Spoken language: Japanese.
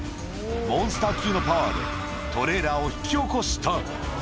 モンスター級のパワーで、トレーラーを引き起こした。